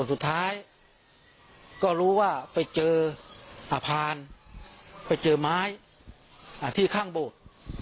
สุดท้ายก็รู้ว่าไปเจออพานไปเจอไม้ที่ข้างโบสถ์